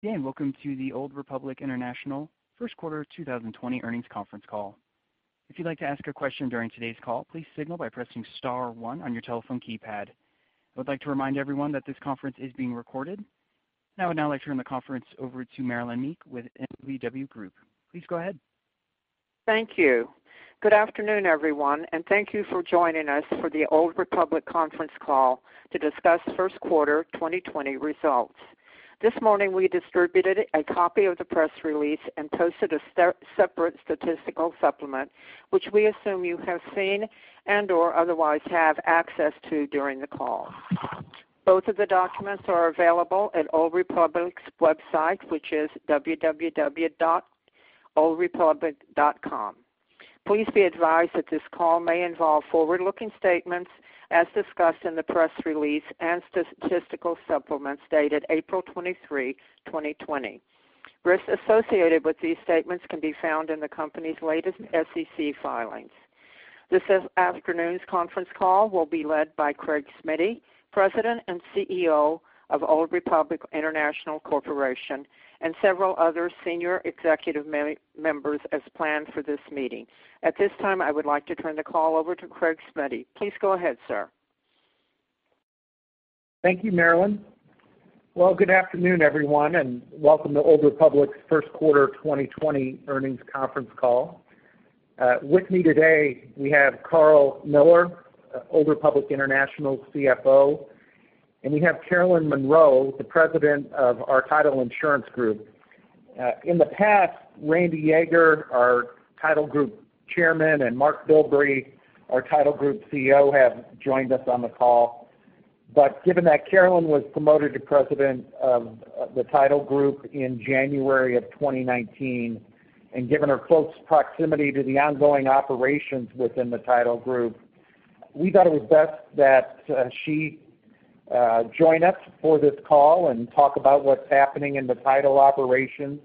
Yeah, welcome to the Old Republic International first quarter 2020 earnings conference call. If you'd like to ask a question during today's call, please signal by pressing star one on your telephone keypad. I would like to remind everyone that this conference is being recorded. I would now like to turn the conference over to Marilyn Meek with MWW Group. Please go ahead. Thank you. Good afternoon, everyone, and thank you for joining us for the Old Republic conference call to discuss first quarter 2020 results. This morning, we distributed a copy of the press release and posted a separate statistical supplement, which we assume you have seen and/or otherwise have access to during the call. Both of the documents are available at Old Republic's website, which is www.oldrepublic.com. Please be advised that this call may involve forward-looking statements as discussed in the press release and statistical supplement dated April 23, 2020. Risks associated with these statements can be found in the company's latest SEC filings. This afternoon's conference call will be led by Craig Smiddy, President and CEO of Old Republic International Corporation, and several other senior executive members as planned for this meeting. At this time, I would like to turn the call over to Craig Smiddy. Please go ahead, sir. Thank you, Marilyn. Well, good afternoon, everyone, and welcome to Old Republic's first quarter 2020 earnings conference call. With me today, we have Karl Mueller, Old Republic International's CFO, and we have Carolyn Monroe, the President of our Title Insurance Group. In the past, Randy Yaeger, our Title Group Chairman, and Mark Bilbrey, our Title Group CEO, have joined us on the call. Given that Carolyn was promoted to President of the Title group in January of 2019, and given her close proximity to the ongoing operations within the Title group, we thought it was best that she join us for this call and talk about what's happening in the Title operations,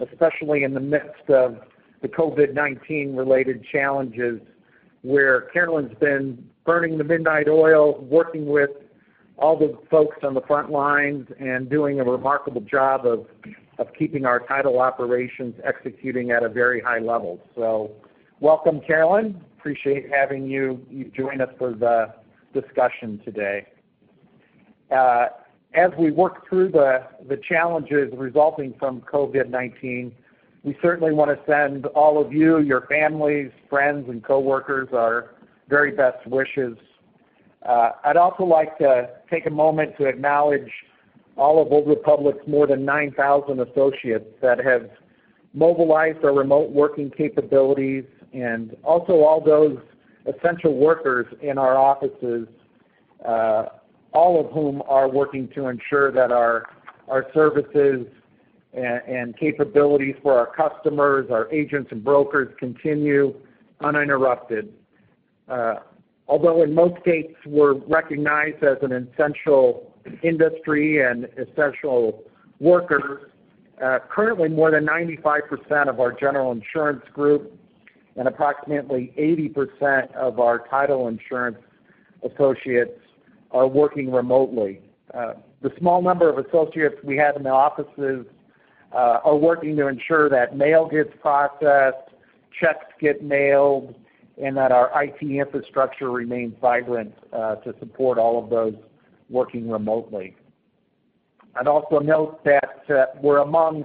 especially in the midst of the COVID-19-related challenges, where Carolyn's been burning the midnight oil, working with all the folks on the front lines and doing a remarkable job of keeping our Title operations executing at a very high level. Welcome, Carolyn. Appreciate having you join us for the discussion today. As we work through the challenges resulting from COVID-19, we certainly want to send all of you, your families, friends, and coworkers our very best wishes. I'd also like to take a moment to acknowledge all of Old Republic's more than 9,000 associates that have mobilized our remote working capabilities and also all those essential workers in our offices, all of whom are working to ensure that our services and capabilities for our customers, our agents, and brokers continue uninterrupted. Although in most states we're recognized as an essential industry and essential workers, currently more than 95% of our General Insurance Group and approximately 80% of our Title Insurance associates are working remotely. The small number of associates we have in the offices are working to ensure that mail gets processed, checks get mailed, and that our IT infrastructure remains vibrant to support all of those working remotely. I'd also note that we're among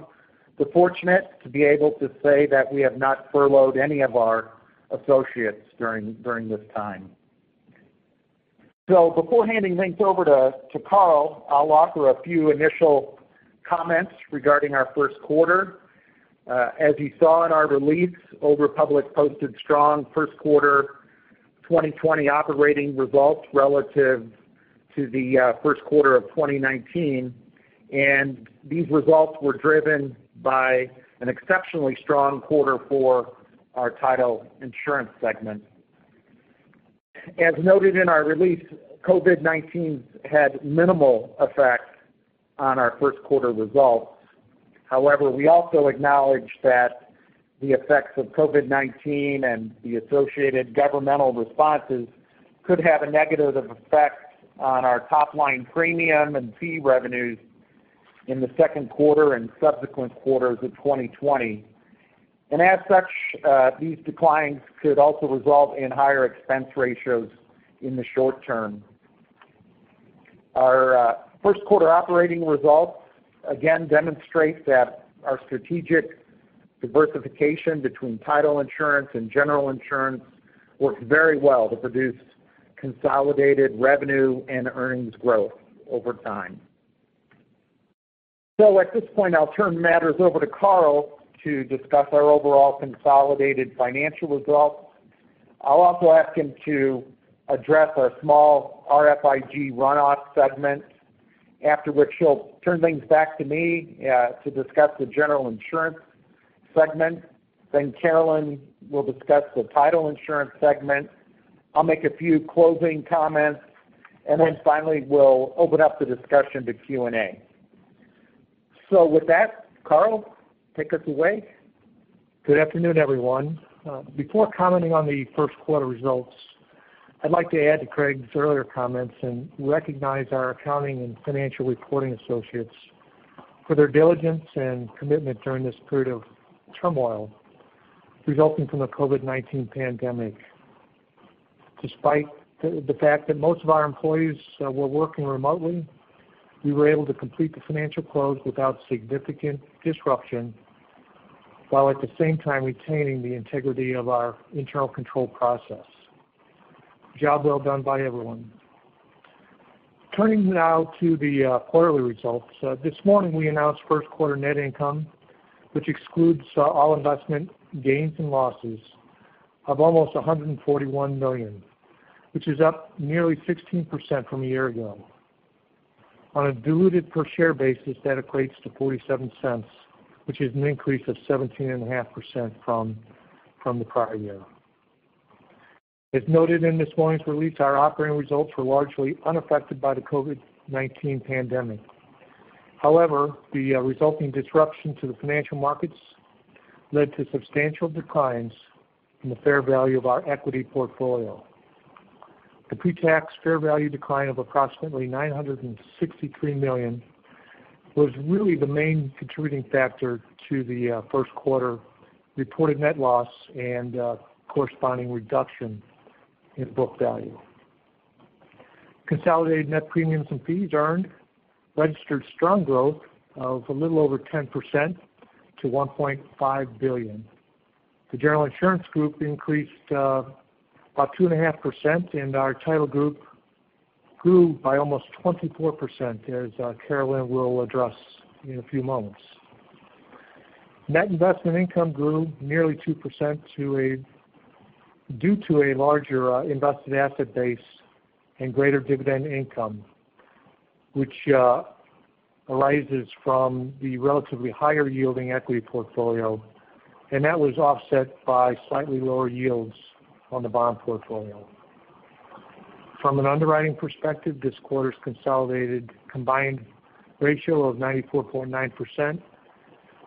the fortunate to be able to say that we have not furloughed any of our associates during this time. Before handing things over to Karl, I'll offer a few initial comments regarding our first quarter. As you saw in our release, Old Republic posted strong first quarter 2020 operating results relative to the first quarter of 2019, and these results were driven by an exceptionally strong quarter for our Title Insurance segment. As noted in our release, COVID-19 had minimal effect on our first quarter results. However, we also acknowledge that the effects of COVID-19 and the associated governmental responses could have a negative effect on our top-line premium and fee revenues in the second quarter and subsequent quarters of 2020. As such, these declines could also result in higher expense ratios in the short term. Our first quarter operating results again demonstrate that our strategic diversification between Title Insurance and General Insurance worked very well to produce consolidated revenue and earnings growth over time. At this point, I'll turn matters over to Karl to discuss our overall consolidated financial results. I'll also ask him to address our small RFIG runoff segment, after which he'll turn things back to me to discuss the General Insurance segment. Carolyn will discuss the Title Insurance segment. I'll make a few closing comments, and then finally, we'll open up the discussion to Q&A. With that, Karl, take us away. Good afternoon, everyone. Before commenting on the first quarter results, I'd like to add to Craig's earlier comments and recognize our accounting and financial reporting associates for their diligence and commitment during this period of turmoil resulting from the COVID-19 pandemic. Despite the fact that most of our employees were working remotely, we were able to complete the financial close without significant disruption, while at the same time retaining the integrity of our internal control process. Job well done by everyone. Turning now to the quarterly results. This morning, we announced first quarter net income, which excludes all investment gains and losses of almost $141 million, which is up nearly 16% from a year ago. On a diluted per share basis, that equates to $0.47, which is an increase of 17.5% from the prior year. As noted in this morning's release, our operating results were largely unaffected by the COVID-19 pandemic. The resulting disruption to the financial markets led to substantial declines in the fair value of our equity portfolio. The pre-tax fair value decline of approximately $963 million was really the main contributing factor to the first quarter reported net loss and corresponding reduction in book value. Consolidated net premiums and fees earned registered strong growth of a little over 10% to $1.5 billion. The General Insurance Group increased by 2.5%, and our Title Group grew by almost 24%, as Carolyn will address in a few moments. Net investment income grew nearly 2% due to a larger invested asset base and greater dividend income, which arises from the relatively higher-yielding equity portfolio, and that was offset by slightly lower yields on the bond portfolio. From an underwriting perspective, this quarter's consolidated combined ratio of 94.9%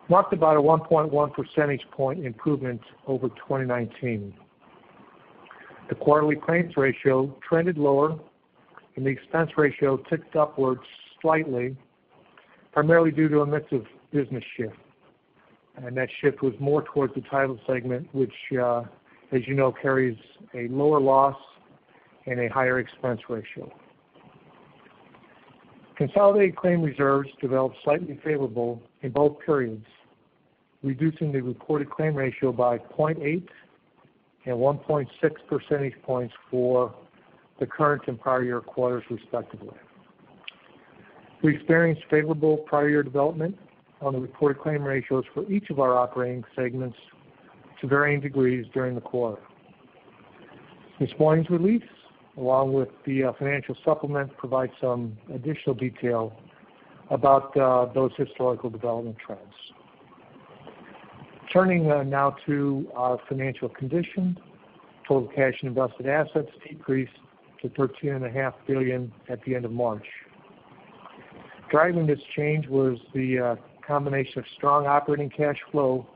marked about a 1.1 percentage point improvement over 2019. The quarterly claims ratio trended lower, and the expense ratio ticked upwards slightly, primarily due to a mix of business shift. That shift was more towards the Title segment, which as you know, carries a lower loss and a higher expense ratio. Consolidated claim reserves developed slightly favorable in both periods, reducing the reported claim ratio by 0.8 and 1.6 percentage points for the current and prior year quarters, respectively. We experienced favorable prior year development on the reported claim ratios for each of our operating segments to varying degrees during the quarter. This morning's release, along with the financial supplement, provide some additional detail about those historical development trends. Turning now to our financial condition. Total cash and invested assets decreased to $13.5 billion at the end of March. Driving this change was the combination of strong operating cash flow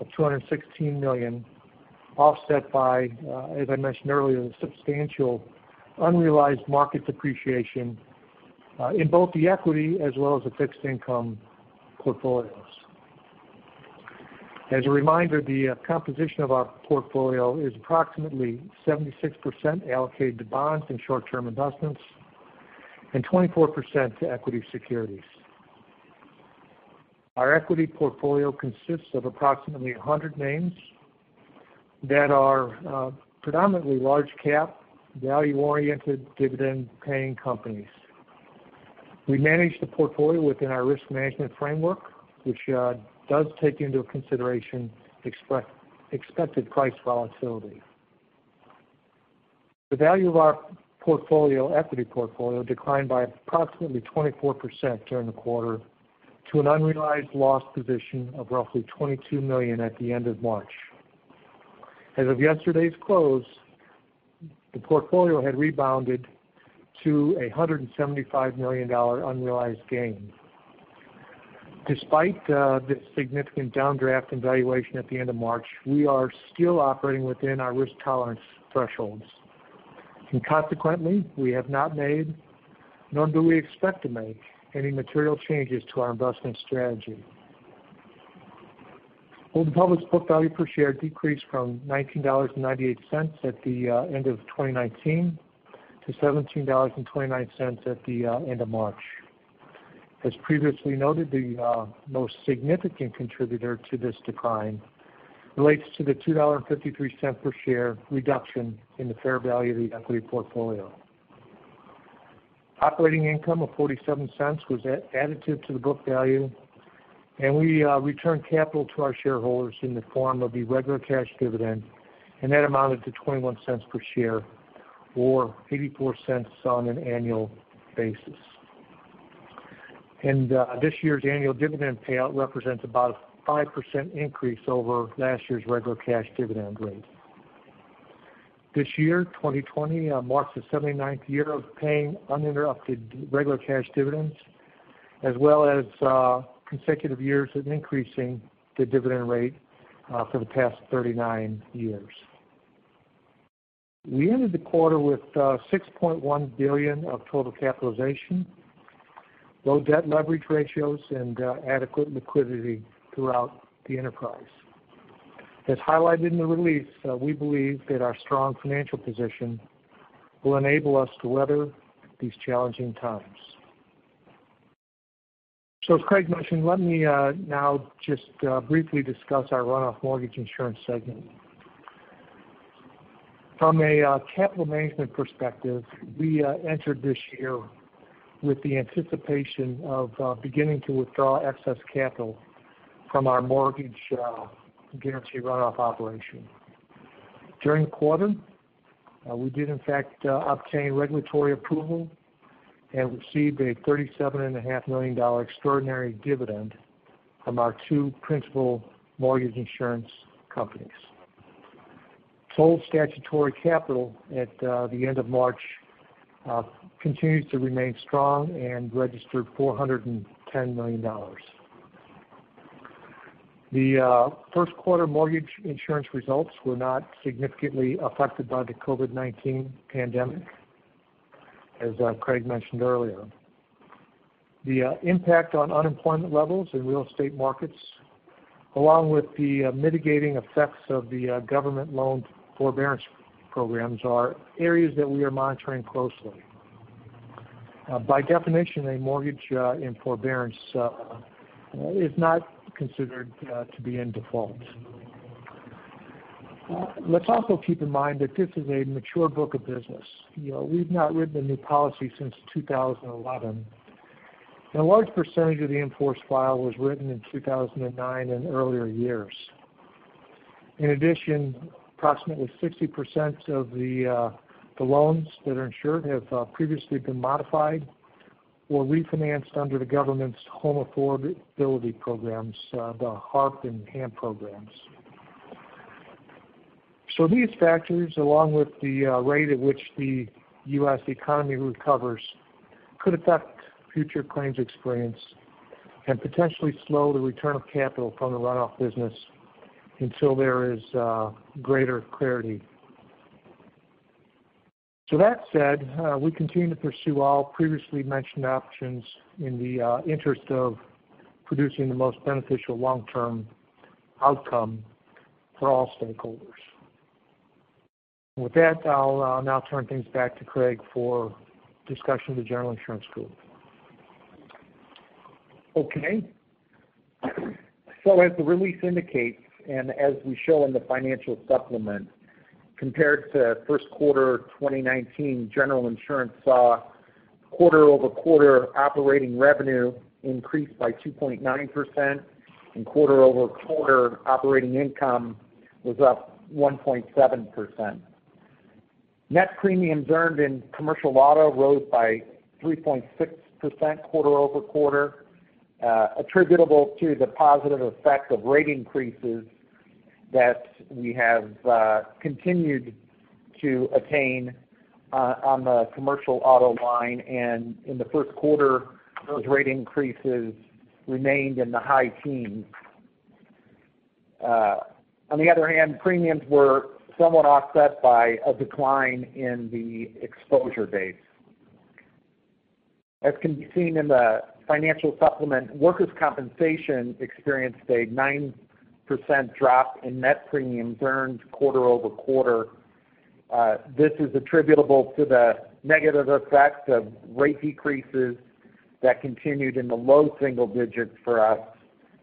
of $216 million, offset by, as I mentioned earlier, the substantial unrealized market depreciation, in both the equity as well as the fixed income portfolios. As a reminder, the composition of our portfolio is approximately 76% allocated to bonds and short-term investments and 24% to equity securities. Our equity portfolio consists of approximately 100 names that are predominantly large-cap, value-oriented, dividend-paying companies. We manage the portfolio within our risk management framework, which does take into consideration expected price volatility. The value of our equity portfolio declined by approximately 24% during the quarter to an unrealized loss position of roughly $22 million at the end of March. As of yesterday's close, the portfolio had rebounded to $175 million unrealized gain. Despite this significant downdraft in valuation at the end of March, we are still operating within our risk tolerance thresholds. Consequently, we have not made, nor do we expect to make any material changes to our investment strategy. Old Republic's book value per share decreased from $19.98 at the end of 2019 to $17.29 at the end of March. As previously noted, the most significant contributor to this decline relates to the $2.53 per share reduction in the fair value of the equity portfolio. Operating income of $0.47 was additive to the book value, and we returned capital to our shareholders in the form of the regular cash dividend, and that amounted to $0.21 per share or $0.84 on an annual basis. This year's annual dividend payout represents about a 5% increase over last year's regular cash dividend rate. This year, 2020, marks the 79th year of paying uninterrupted regular cash dividends, as well as consecutive years of increasing the dividend rate for the past 39 years. We ended the quarter with $6.1 billion of total capitalization, low debt leverage ratios, and adequate liquidity throughout the enterprise. As highlighted in the release, we believe that our strong financial position will enable us to weather these challenging times. As Craig mentioned, let me now just briefly discuss our runoff mortgage insurance segment. From a capital management perspective, we entered this year with the anticipation of beginning to withdraw excess capital from our mortgage guarantee runoff operation. During the quarter, we did in fact obtain regulatory approval and received a $37.5 million extraordinary dividend from our two principal mortgage insurance companies. Total statutory capital at the end of March continues to remain strong and registered $410 million. The first quarter mortgage insurance results were not significantly affected by the COVID-19 pandemic, as Craig mentioned earlier. The impact on unemployment levels in real estate markets, along with the mitigating effects of the government loan forbearance programs, are areas that we are monitoring closely. By definition, a mortgage in forbearance is not considered to be in default. Let's also keep in mind that this is a mature book of business. We've not written a new policy since 2011. A large percentage of the in-force file was written in 2009 and earlier years. In addition, approximately 60% of the loans that are insured have previously been modified or refinanced under the government's home affordability programs, the HARP and HAMP programs. These factors, along with the rate at which the U.S. economy recovers, could affect future claims experience and potentially slow the return of capital from the runoff business until there is greater clarity. That said, we continue to pursue all previously mentioned options in the interest of producing the most beneficial long-term outcome for all stakeholders. With that, I'll now turn things back to Craig for discussion of the General Insurance Group. As the release indicates, and as we show in the financial supplement, compared to first quarter 2019, General Insurance saw quarter-over-quarter operating revenue increase by 2.9%, and quarter-over-quarter operating income was up 1.7%. Net premiums earned in commercial auto rose by 3.6% quarter-over-quarter, attributable to the positive effect of rate increases that we have continued to attain on the commercial auto line. In the first quarter, those rate increases remained in the high teens. On the other hand, premiums were somewhat offset by a decline in the exposure base. As can be seen in the financial supplement, workers' compensation experienced a 9% drop in net premiums earned quarter-over-quarter. This is attributable to the negative effects of rate decreases that continued in the low single digits for us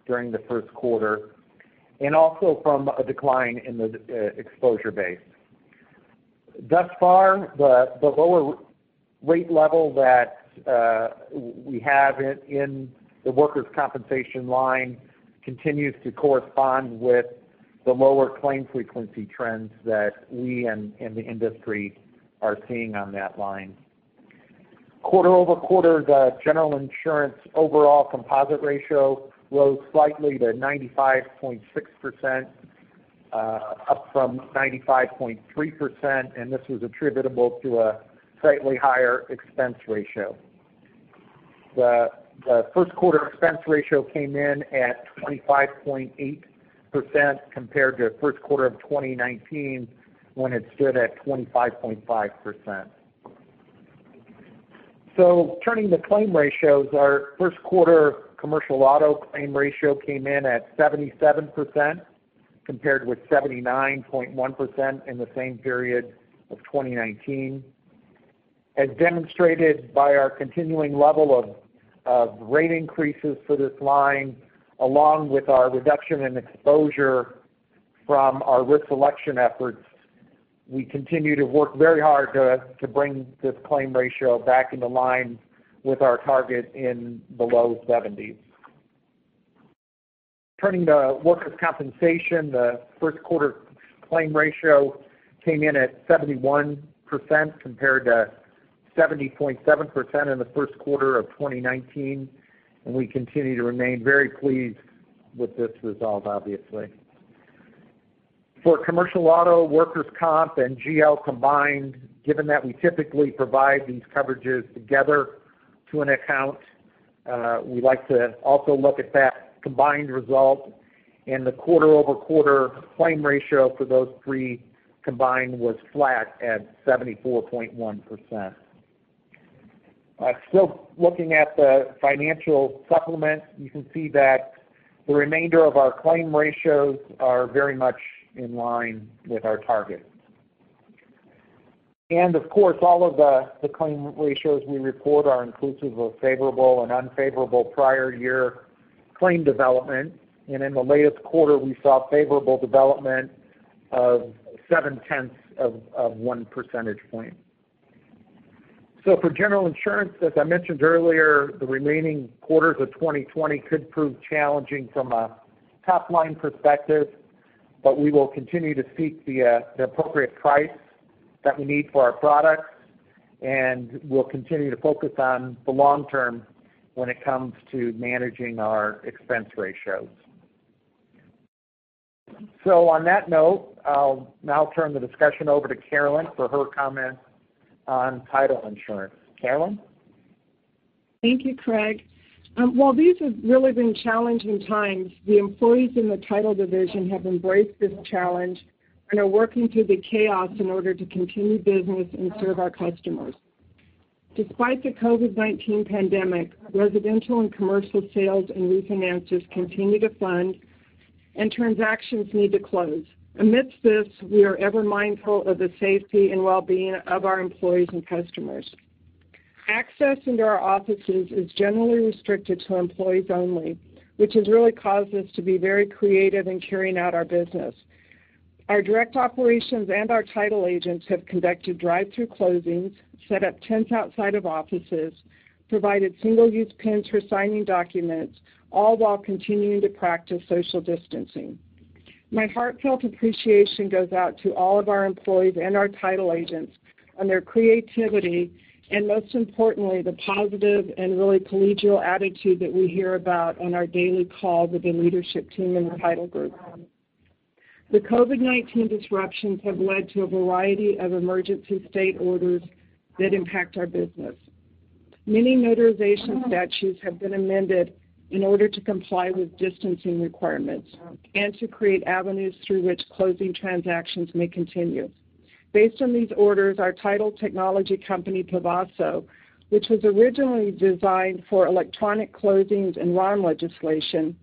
during the first quarter, and also from a decline in the exposure base. Thus far, the lower rate level that we have in the workers' compensation line continues to correspond with the lower claim frequency trends that we and the industry are seeing on that line. Quarter-over-quarter, the General Insurance overall composite ratio rose slightly to 95.6%, up from 95.3%, and this was attributable to a slightly higher expense ratio. The first quarter expense ratio came in at 25.8% compared to first quarter of 2019 when it stood at 25.5%. Turning to claim ratios, our first quarter commercial auto claim ratio came in at 77% compared with 79.1% in the same period of 2019. As demonstrated by our continuing level of rate increases for this line, along with our reduction in exposure from our risk selection efforts, we continue to work very hard to bring this claim ratio back into line with our target in the low 70s. Turning to Workers' Compensation, the first quarter claim ratio came in at 71% compared to 70.7% in the first quarter of 2019. We continue to remain very pleased with this result, obviously. For commercial auto, Workers' Comp, and GL combined, given that we typically provide these coverages together to an account, we like to also look at that combined result. The quarter-over-quarter claim ratio for those three combined was flat at 74.1%. Still looking at the financial supplement, you can see that the remainder of our claim ratios are very much in line with our target. Of course, all of the claim ratios we report are inclusive of favorable and unfavorable prior year claim development. In the latest quarter, we saw favorable development of seven-tenths of one percentage point. For General Insurance, as I mentioned earlier, the remaining quarters of 2020 could prove challenging from a top-line perspective, but we will continue to seek the appropriate price that we need for our products, and we'll continue to focus on the long term when it comes to managing our expense ratios. On that note, I'll now turn the discussion over to Carolyn for her comments on Title Insurance. Carolyn? Thank you, Craig. While these have really been challenging times, the employees in the title division have embraced this challenge and are working through the chaos in order to continue business and serve our customers. Despite the COVID-19 pandemic, residential and commercial sales and refinances continue to fund, and transactions need to close. Amidst this, we are ever mindful of the safety and well-being of our employees and customers. Access into our offices is generally restricted to employees only, which has really caused us to be very creative in carrying out our business. Our direct operations and our title agents have conducted drive-through closings, set up tents outside of offices, provided single-use pens for signing documents, all while continuing to practice social distancing. My heartfelt appreciation goes out to all of our employees and our title agents on their creativity, and most importantly, the positive and really collegial attitude that we hear about on our daily calls with the leadership team and the Title group. The COVID-19 disruptions have led to a variety of emergency state orders that impact our business. Many notarization statutes have been amended in order to comply with distancing requirements and to create avenues through which closing transactions may continue. Based on these orders, our title technology company, Pavaso, which was originally designed for electronic closings and RON legislation,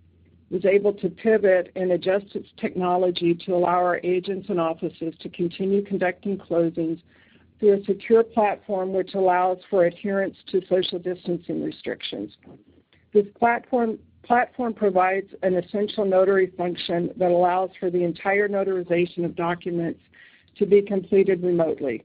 was able to pivot and adjust its technology to allow our agents and offices to continue conducting closings through a secure platform, which allows for adherence to social distancing restrictions. This platform provides an essential notary function that allows for the entire notarization of documents to be completed remotely.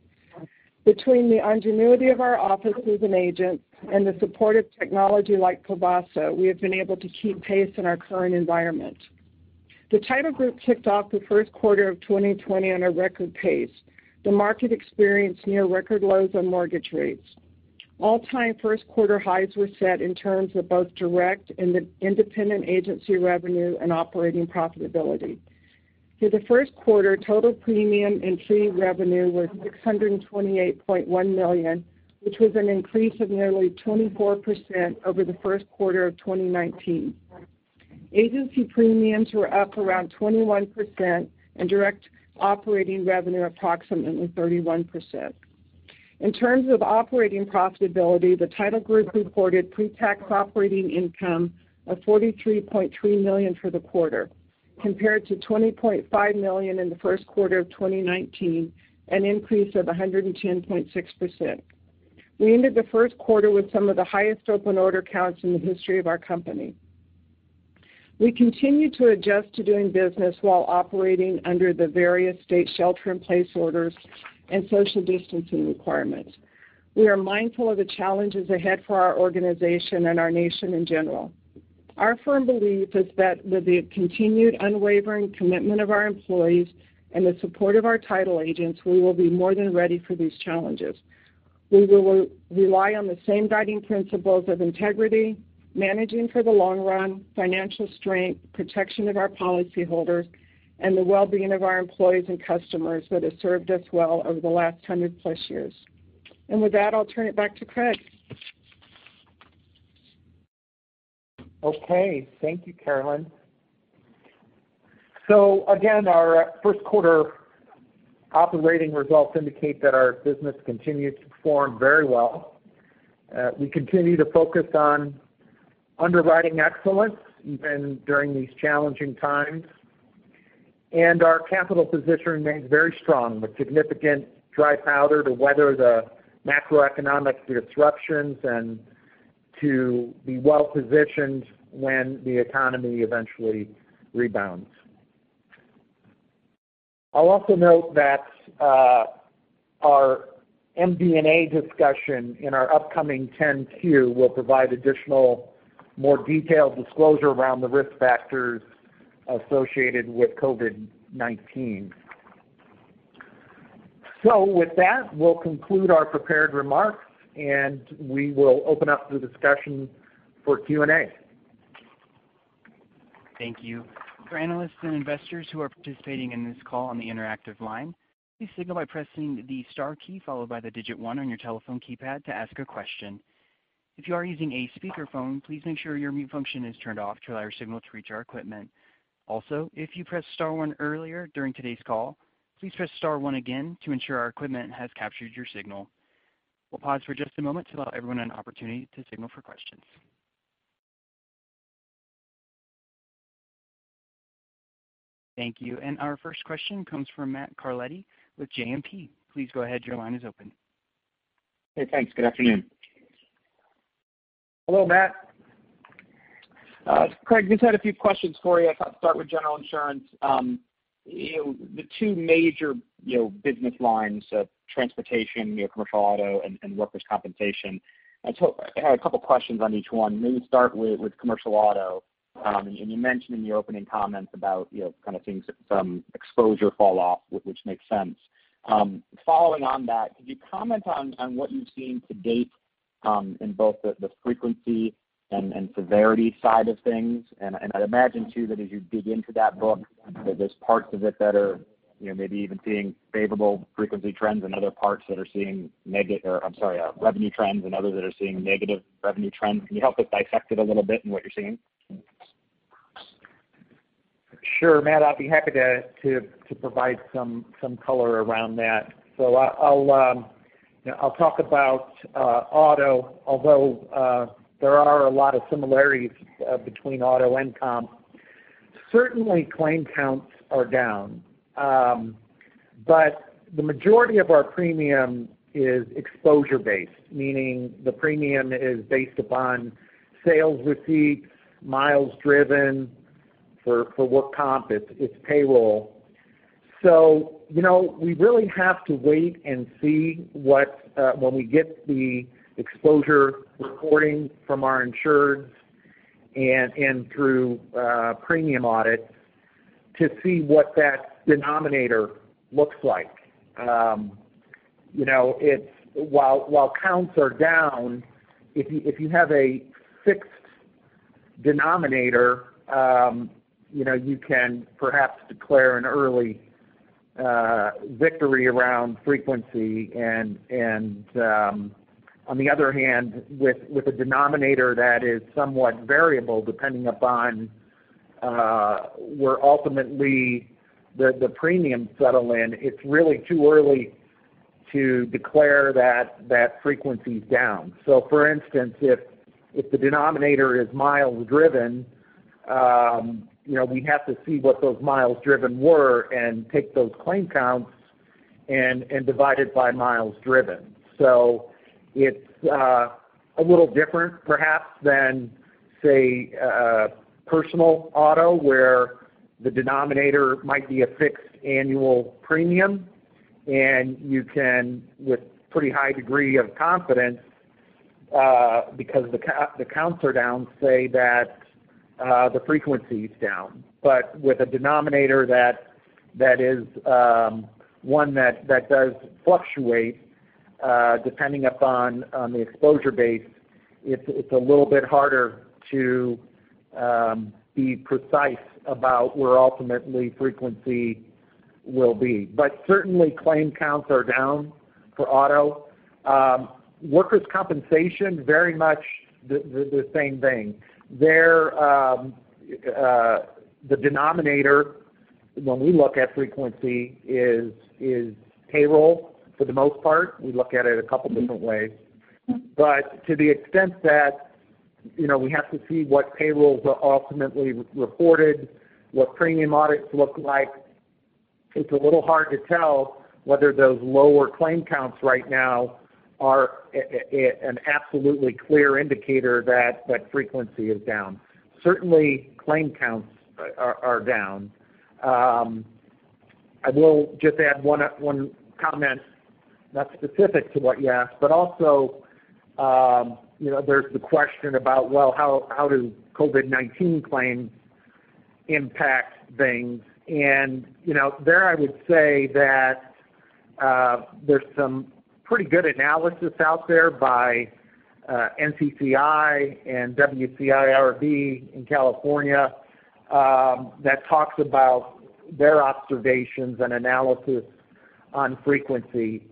Between the ingenuity of our offices and agents and the support of technology like Pavaso, we have been able to keep pace in our current environment. The Title Group kicked off the first quarter of 2020 on a record pace. The market experienced near record lows on mortgage rates. All-time first quarter highs were set in terms of both direct and independent agency revenue and operating profitability. For the first quarter, total premium and fee revenue was $628.1 million, which was an increase of nearly 24% over the first quarter of 2019. Agency premiums were up around 21%, and direct operating revenue approximately 31%. In terms of operating profitability, the Title Group reported pre-tax operating income of $43.3 million for the quarter, compared to $20.5 million in the first quarter of 2019, an increase of 110.6%. We ended the first quarter with some of the highest open order counts in the history of our company. We continue to adjust to doing business while operating under the various state shelter-in-place orders and social distancing requirements. We are mindful of the challenges ahead for our organization and our nation in general. Our firm belief is that with the continued unwavering commitment of our employees and the support of our Title agents, we will be more than ready for these challenges. We will rely on the same guiding principles of integrity, managing for the long run, financial strength, protection of our policyholders, and the well-being of our employees and customers that have served us well over the last 100+ years. With that, I'll turn it back to Craig. Thank you, Carolyn. Again, our first quarter operating results indicate that our business continues to perform very well. We continue to focus on underwriting excellence even during these challenging times. Our capital position remains very strong with significant dry powder to weather the macroeconomic disruptions and to be well-positioned when the economy eventually rebounds. I'll also note that our MD&A discussion in our upcoming 10-Q will provide additional, more detailed disclosure around the risk factors associated with COVID-19. With that, we'll conclude our prepared remarks, and we will open up the discussion for Q&A. Thank you. For analysts and investors who are participating in this call on the interactive line, please signal by pressing the star key followed by the digit one on your telephone keypad to ask a question. If you are using a speakerphone, please make sure your mute function is turned off to allow your signal to reach our equipment. Also, if you pressed star one earlier during today's call, please press star one again to ensure our equipment has captured your signal. We'll pause for just a moment to allow everyone an opportunity to signal for questions. Thank you. Our first question comes from Matt Carletti with JMP. Please go ahead. Your line is open. Hey, thanks. Good afternoon. Hello, Matt. Craig, just had a few questions for you. I thought I'd start with General Insurance, the two major business lines of transportation, commercial auto and workers' compensation. I had a couple of questions on each one. Maybe start with commercial auto. You mentioned in your opening comments about kind of things from exposure fall-off, which makes sense. Following on that, could you comment on what you've seen to date, in both the frequency and severity side of things? I'd imagine, too, that as you dig into that book, that there's parts of it that are maybe even seeing favorable frequency trends and other parts that are seeing or I'm sorry, revenue trends and others that are seeing negative revenue trends. Can you help us dissect it a little bit in what you're seeing? Sure, Matt, I'd be happy to provide some color around that. I'll talk about auto, although there are a lot of similarities between auto and comp. Certainly, claim counts are down. The majority of our premium is exposure-based, meaning the premium is based upon sales receipts, miles driven. For work comp, it's payroll. We really have to wait and see when we get the exposure reporting from our insureds and through premium audits to see what that denominator looks like. While counts are down, if you have a fixed denominator, you can perhaps declare an early victory around frequency. On the other hand, with a denominator that is somewhat variable depending upon where ultimately the premium settle in, it's really too early to declare that frequency's down. For instance, if the denominator is miles driven, we have to see what those miles driven were and take those claim counts and divide it by miles driven. It's a little different perhaps than, say, personal auto, where the denominator might be a fixed annual premium, and you can, with pretty high degree of confidence, because the counts are down, say that the frequency is down. With a denominator that is one that does fluctuate depending upon the exposure base, it's a little bit harder to be precise about where ultimately frequency will be. Certainly claim counts are down for auto. Workers' Compensation, very much the same thing. The denominator, when we look at frequency, is payroll for the most part. We look at it a couple different ways. To the extent that we have to see what payrolls were ultimately reported, what premium audits look like, it's a little hard to tell whether those lower claim counts right now are an absolutely clear indicator that frequency is down. Certainly claim counts are down. I will just add one comment, not specific to what you asked, but also there's the question about, well, how does COVID-19 claims impact things? There I would say that there's some pretty good analysis out there by NCCI and WCIRB in California that talks about their observations and analysis on frequency.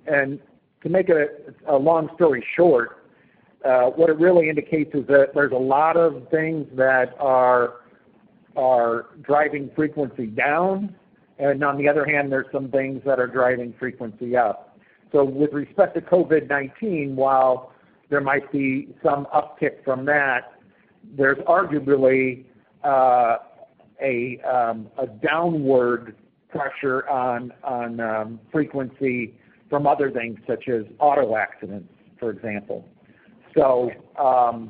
To make a long story short, what it really indicates is that there's a lot of things that are driving frequency down, and on the other hand, there's some things that are driving frequency up. With respect to COVID-19, while there might be some uptick from that, there's arguably a downward pressure on frequency from other things, such as auto accidents, for example. A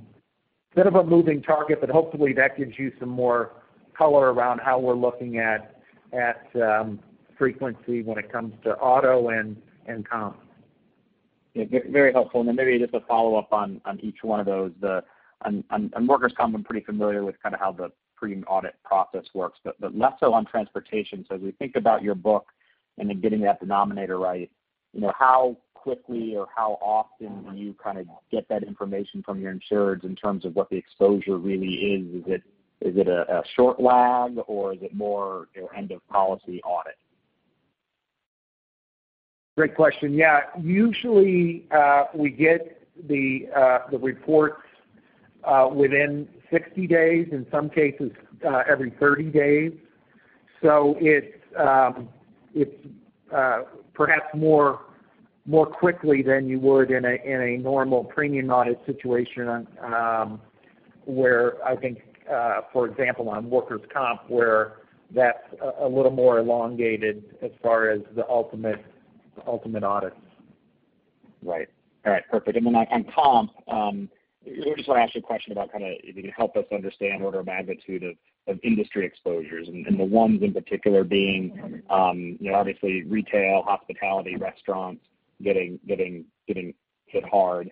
bit of a moving target, but hopefully that gives you some more color around how we're looking at frequency when it comes to auto and comp Very helpful. Then maybe just a follow-up on each one of those. On Workers' comp, I'm pretty familiar with how the premium audit process works, but less so on transportation. As we think about your book and then getting that denominator right, how quickly or how often do you get that information from your insureds in terms of what the exposure really is? Is it a short lag or is it more end of policy audit? Great question. Yeah. Usually, we get the reports within 60 days, in some cases every 30 days. It's perhaps more quickly than you would in a normal premium audit situation, where I think, for example, on workers' comp, where that's a little more elongated as far as the ultimate audit. Right. All right. Perfect. Then on comp, we just want to ask you a question about if you could help us understand order of magnitude of industry exposures, and the ones in particular being, obviously retail, hospitality, restaurants getting hit hard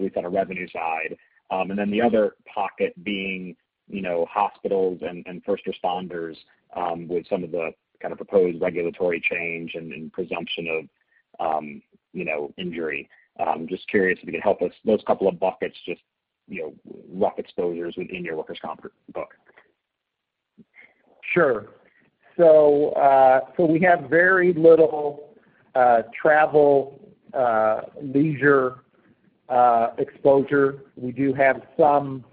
with kind of revenue side. Then the other pocket being hospitals and first responders with some of the kind of proposed regulatory change and presumption of injury. I'm just curious if you could help us, those couple of buckets, just rough exposures within your workers' comp book. Sure. We have very little travel leisure exposure. We do have some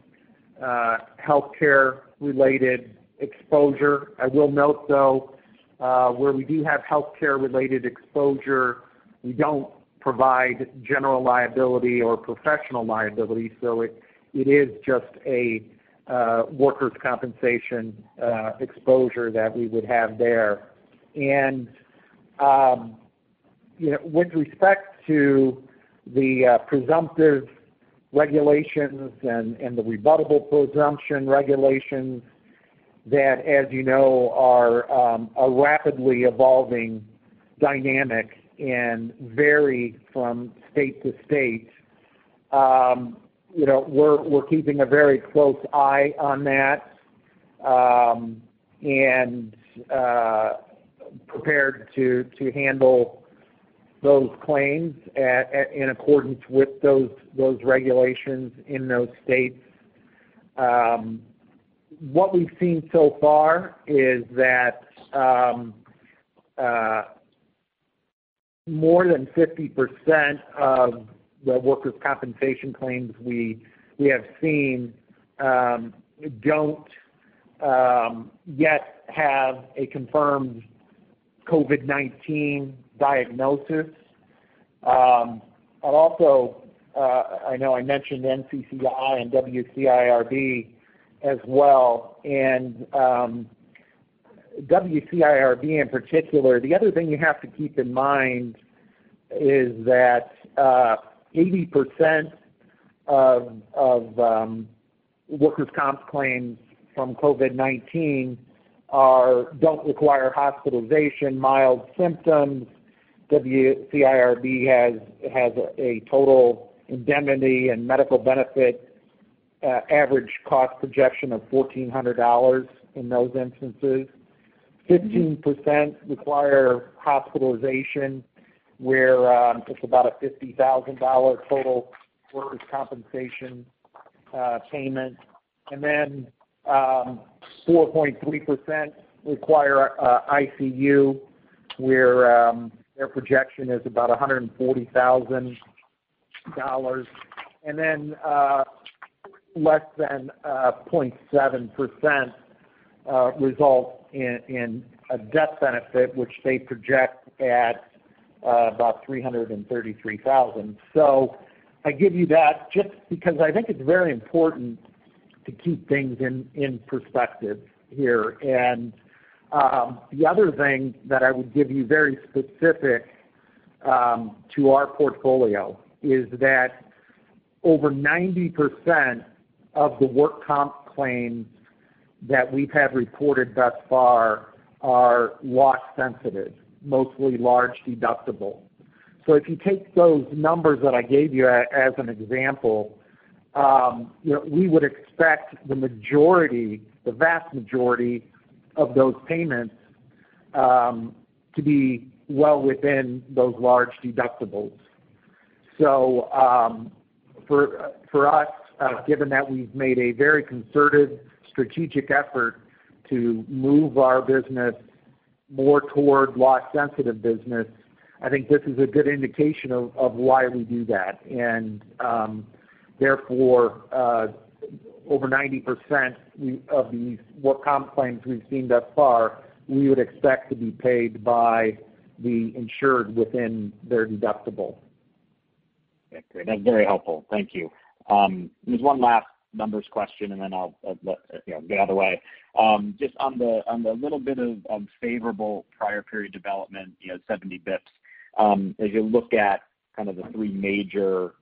healthcare-related exposure. I will note, though, where we do have healthcare-related exposure, we don't provide General Liability or Professional Liability, so it is just a Workers' Compensation exposure that we would have there. With respect to the presumptive regulations and the rebuttable presumption regulations that, as you know, are a rapidly evolving dynamic and vary from state to state, we're keeping a very close eye on that, and prepared to handle those claims in accordance with those regulations in those states. What we've seen so far is that more than 50% of the Workers' Compensation claims we have seen don't yet have a confirmed COVID-19 diagnosis. I know I mentioned NCCI and WCIRB as well, WCIRB in particular, the other thing you have to keep in mind is that 80% of workers' comp claims from COVID-19 don't require hospitalization, mild symptoms. WCIRB has a total indemnity and medical benefit average cost projection of $1,400 in those instances. 15% require hospitalization, where it's about a $50,000 total workers' compensation payment. 4.3% require ICU, where their projection is about $140,000. Less than 0.7% result in a death benefit, which they project at about $333,000. I give you that just because I think it's very important to keep things in perspective here. The other thing that I would give you very specific to our portfolio is that over 90% of the work comp claims that we have reported thus far are loss sensitive, mostly large deductible. If you take those numbers that I gave you as an example, we would expect the vast majority of those payments to be well within those large deductibles. For us, given that we've made a very concerted strategic effort to move our business more toward loss-sensitive business, I think this is a good indication of why we do that. Therefore, over 90% of these work comp claims we've seen thus far, we would expect to be paid by the insured within their deductible. Okay, great. That's very helpful. Thank you. There's one last numbers question, and then I'll get out of the way. Just on the little bit of unfavorable prior period development, 70 basis points. As you look at kind of the three major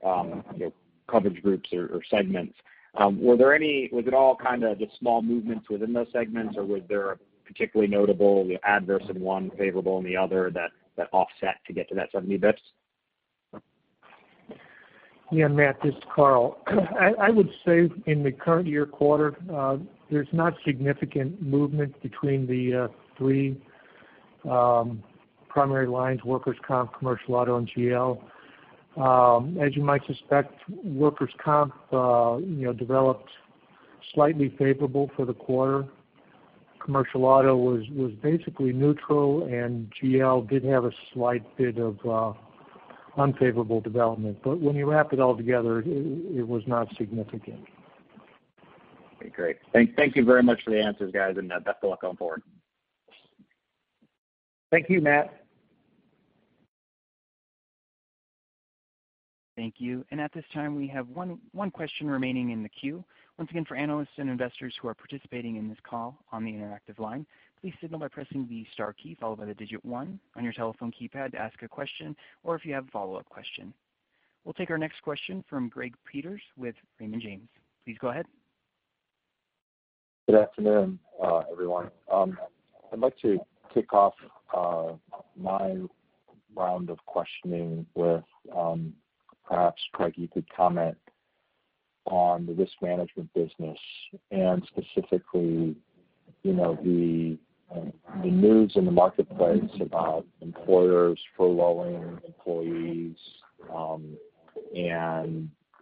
coverage groups or segments, was it all kind of just small movements within those segments, or was there a particularly notable adverse in one, favorable in the other that offset to get to that 70 basis points? Yeah, Matt, this is Karl. I would say in the current year quarter, there's not significant movement between the three primary lines, workers' comp, commercial auto, and GL. As you might suspect, workers' comp developed slightly favorable for the quarter. Commercial auto was basically neutral, and GL did have a slight bit of unfavorable development. When you wrap it all together, it was not significant. Okay, great. Thank you very much for the answers, guys, and best of luck going forward. Thank you, Matt. Thank you. At this time, we have one question remaining in the queue. Once again, for analysts and investors who are participating in this call on the interactive line, please signal by pressing the star key followed by the digit one on your telephone keypad to ask a question or if you have a follow-up question. We'll take our next question from Greg Peters with Raymond James. Please go ahead. Good afternoon, everyone. I'd like to kick off my round of questioning with perhaps, Craig, you could comment on the risk management business and specifically, the news in the marketplace about employers furloughing employees,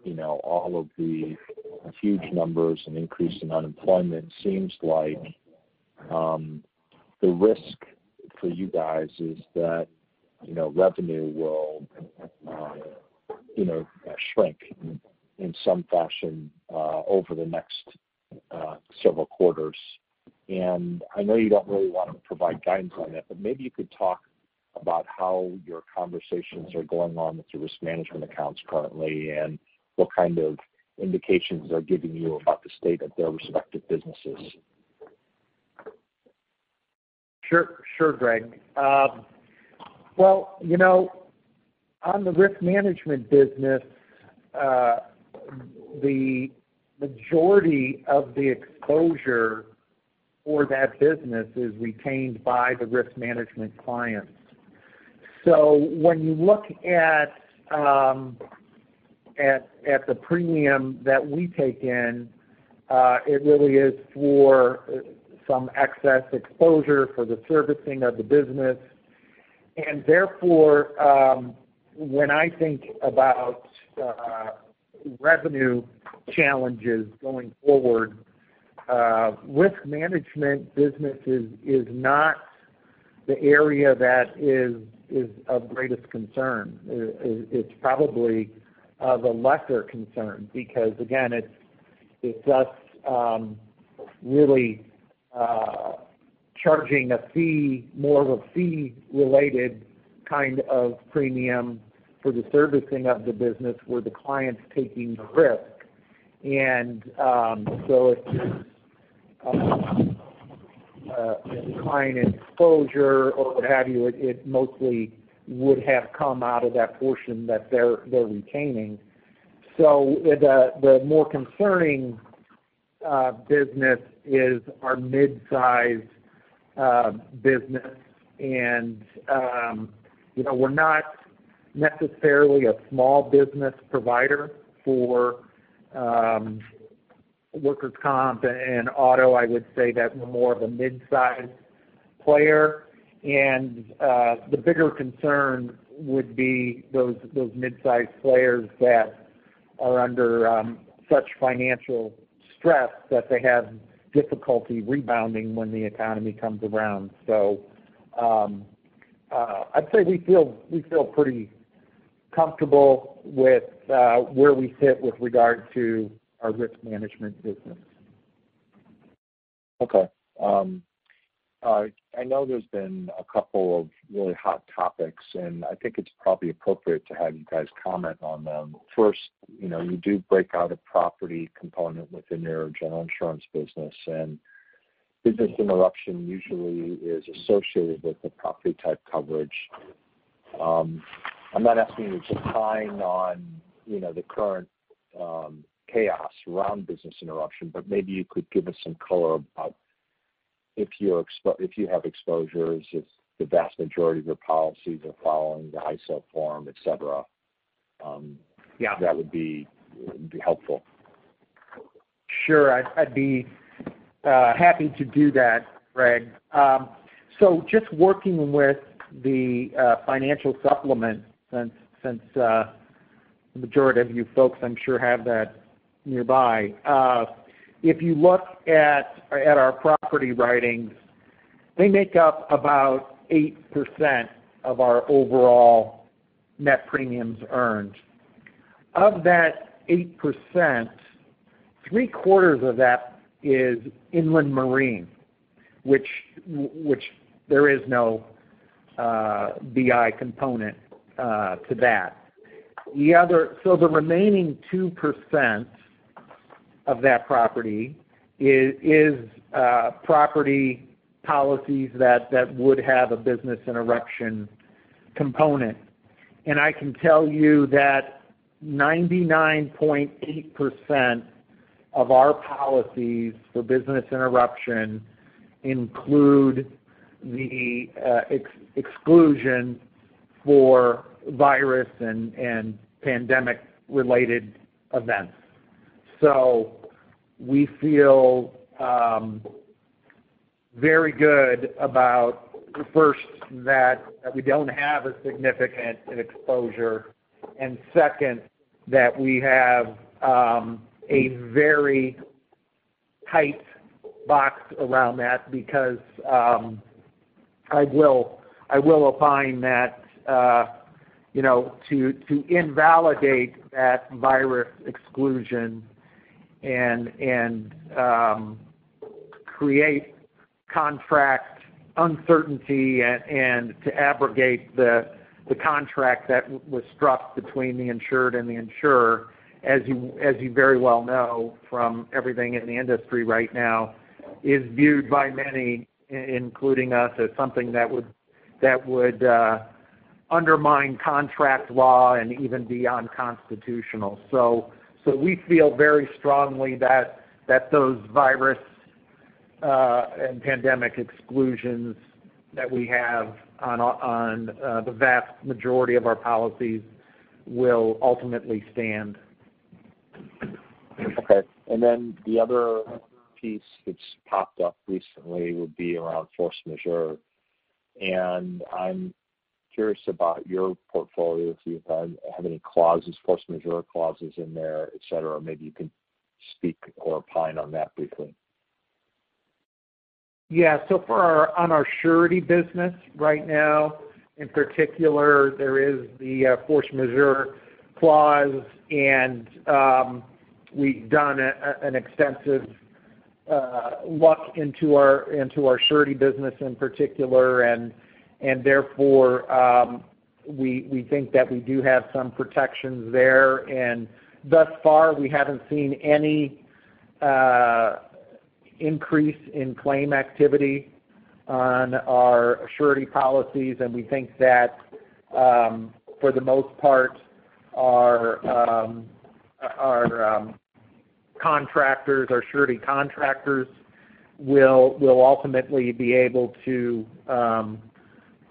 and all of the huge numbers and increase in unemployment seems like the risk for you guys is that revenue will shrink in some fashion over the next several quarters. I know you don't really want to provide guidance on it, but maybe you could talk about how your conversations are going on with your risk management accounts currently and what kind of indications they're giving you about the state of their respective businesses. Sure, Greg. Well, on the risk management business, the majority of the exposure for that business is retained by the risk management clients. When you look at the premium that we take in, it really is for some excess exposure for the servicing of the business. Therefore, when I think about revenue challenges going forward, risk management business is not the area that is of greatest concern. It's probably of a lesser concern because, again, it's us really charging more of a fee-related kind of premium for the servicing of the business where the client's taking the risk. If there's a decline in exposure or what have you, it mostly would have come out of that portion that they're retaining. The more concerning business is our midsize business. We're not necessarily a small business provider for Workers' Comp and auto, I would say that we're more of a midsize player. The bigger concern would be those midsize players that are under such financial stress that they have difficulty rebounding when the economy comes around. I'd say we feel pretty comfortable with where we sit with regard to our risk management business. Okay. I know there's been a couple of really hot topics, and I think it's probably appropriate to have you guys comment on them. First, you do break out a property component within your General Insurance business, and business interruption usually is associated with the property type coverage. I'm not asking you to time on the current chaos around business interruption, but maybe you could give us some color about if you have exposures, if the vast majority of your policies are following the ISO form, et cetera. That would be helpful. Sure. I'd be happy to do that, Greg. Just working with the financial supplement, since the majority of you folks I'm sure have that nearby. If you look at our property writings, they make up about 8% of our overall net premiums earned. Of that 8%, three quarters of that is inland marine, which there is no BI component to that. The remaining 2% of that property is property policies that would have a business interruption component. I can tell you that 99.8% of our policies for business interruption include the exclusion for virus and pandemic related events. We feel very good about first, that we don't have a significant exposure, and second, that we have a very tight box around that because I will opine that to invalidate that virus exclusion and create contract uncertainty and to abrogate the contract that was struck between the insured and the insurer, as you very well know from everything in the industry right now, is viewed by many, including us, as something that would undermine contract law and even be unconstitutional. We feel very strongly that those virus and pandemic exclusions that we have on the vast majority of our policies will ultimately stand. Okay. Then the other piece which popped up recently would be around force majeure. I'm curious about your portfolio, if you have any force majeure clauses in there, et cetera. Maybe you can speak or opine on that briefly. Yeah. On our surety business right now, in particular, there is the force majeure clause, and we've done an extensive look into our surety business in particular, and therefore, we think that we do have some protections there. Thus far, we haven't seen any increase in claim activity on our surety policies, and we think that, for the most part, our surety contractors will ultimately be able to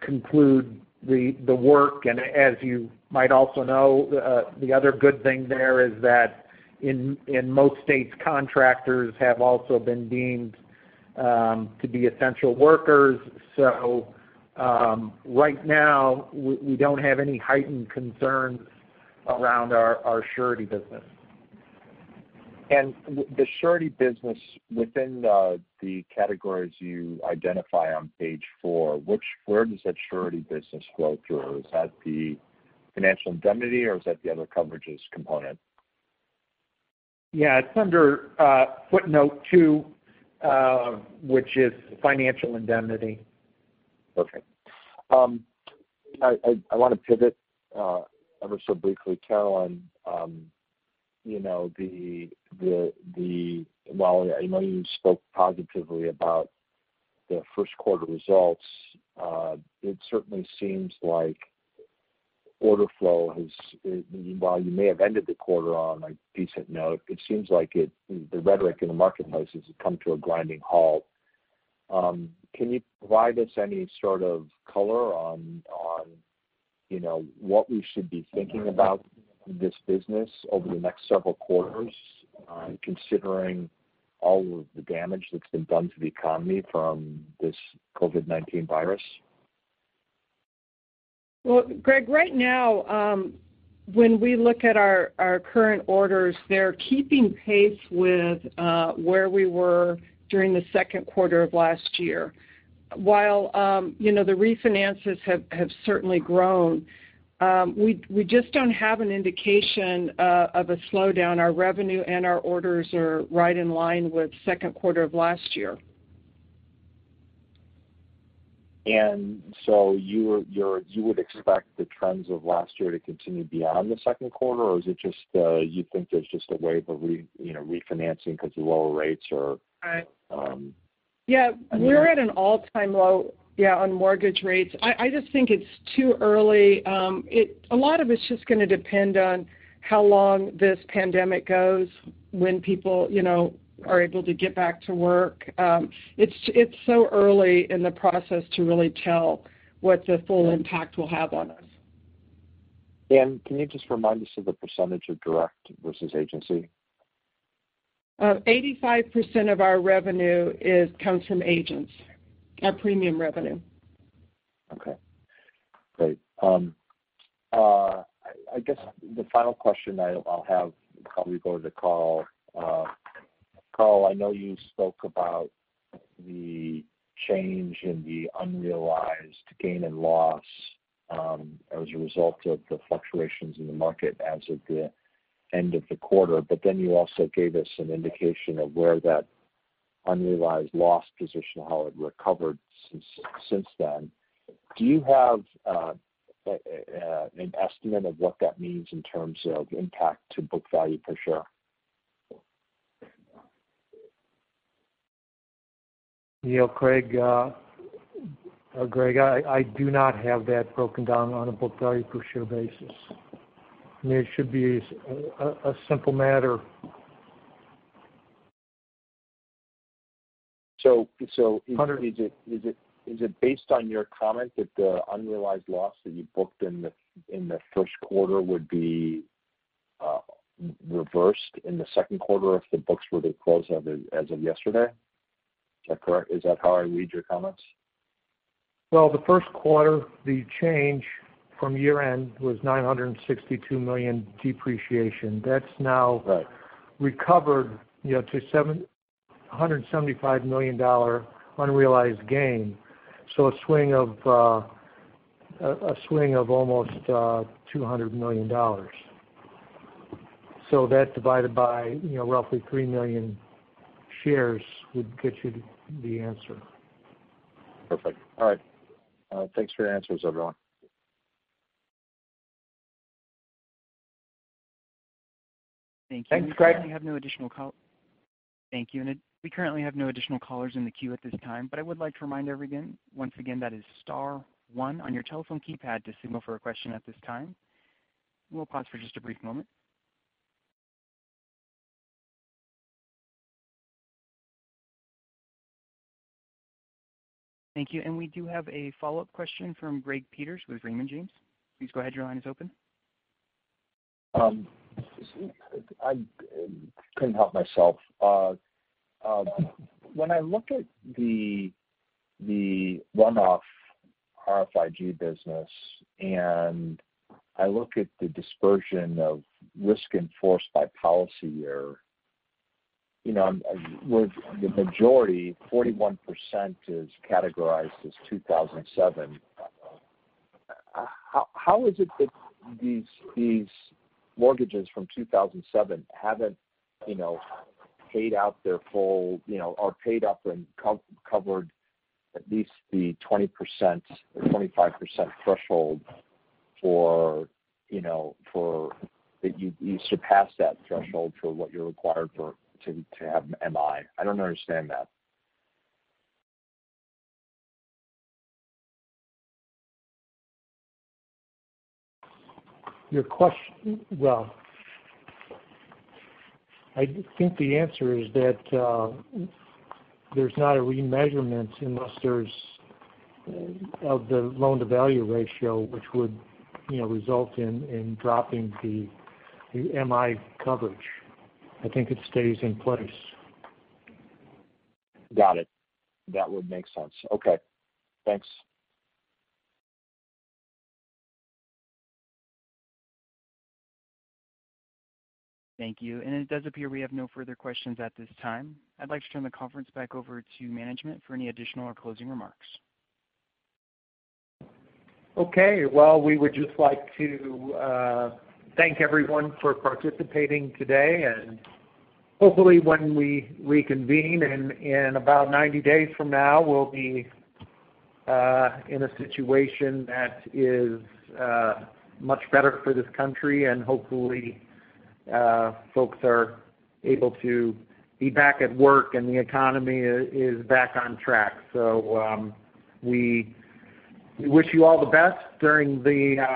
conclude the work. As you might also know, the other good thing there is that in most states, contractors have also been deemed to be essential workers. Right now, we don't have any heightened concerns around our surety business. The surety business within the categories you identify on page four, where does that surety business flow through? Is that the financial indemnity or is that the other coverages component? Yeah. It's under footnote two, which is financial indemnity. Okay. I want to pivot ever so briefly, Carolyn. I know you spoke positively about the first quarter results. It certainly seems like order flow has, while you may have ended the quarter on a decent note, it seems like the rhetoric in the marketplace has come to a grinding halt. Can you provide us any sort of color on what we should be thinking about this business over the next several quarters, considering all of the damage that's been done to the economy from this COVID-19 virus? Well, Greg, right now, when we look at our current orders, they're keeping pace with where we were during the second quarter of last year. While the refinances have certainly grown, we just don't have an indication of a slowdown. Our revenue and our orders are right in line with second quarter of last year. You would expect the trends of last year to continue beyond the second quarter, or is it just you think there's just a wave of refinancing because of lower rates? Right. Yeah. We're at an all-time low on mortgage rates. I just think it's too early. A lot of it's just going to depend on how long this pandemic goes, when people are able to get back to work. It's so early in the process to really tell what the full impact will have on us. Can you just remind us of the percentage of direct versus agency? 85% of our revenue comes from agents, our premium revenue. Okay, great. I guess the final question I'll have probably goes to Karl. Karl, I know you spoke about the change in the unrealized gain and loss as a result of the fluctuations in the market as of the end of the quarter. You also gave us an indication of where that unrealized loss position, how it recovered since then. Do you have an estimate of what that means in terms of impact to book value per share? You know, Greg, I do not have that broken down on a book value per share basis. I mean, it should be a simple matter. So- Hunter- is it based on your comment that the unrealized loss that you booked in the first quarter would be reversed in the second quarter if the books were to close as of yesterday? Is that correct? Is that how I read your comments? Well, the first quarter, the change from year-end was $962 million depreciation. Right recovered to $175 million unrealized gain. A swing of almost $200 million. That divided by roughly 3 million shares would get you the answer. Perfect. All right. Thanks for your answers, everyone. Thanks, Craig. Thank you. We currently have no additional callers in the queue at this time. I would like to remind everyone once again, that is star 1 on your telephone keypad to signal for a question at this time. We'll pause for just a brief moment. Thank you. We do have a follow-up question from Greg Peters with Raymond James. Please go ahead. Your line is open. I couldn't help myself. When I look at the one-off RFIG business, and I look at the dispersion of risk in force by policy year, the majority, 41%, is categorized as 2007. How is it that these mortgages from 2007 are paid up and covered at least the 20% or 25% that you surpassed that threshold for what you're required for to have MI? I don't understand that. Your question. Well, I think the answer is that there's not a remeasurement unless there's, of the loan-to-value ratio, which would result in dropping the MI coverage. I think it stays in place. Got it. That would make sense. Okay. Thanks. Thank you. It does appear we have no further questions at this time. I'd like to turn the conference back over to management for any additional or closing remarks. Okay. Well, we would just like to thank everyone for participating today, and hopefully when we reconvene in about 90 days from now, we'll be in a situation that is much better for this country and hopefully folks are able to be back at work and the economy is back on track. We wish you all the best during the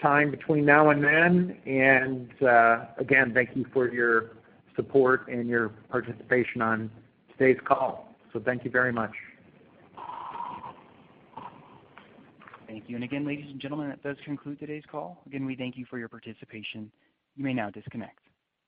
time between now and then. Again, thank you for your support and your participation on today's call. Thank you very much. Thank you. Again, ladies and gentlemen, that does conclude today's call. Again, we thank you for your participation. You may now disconnect.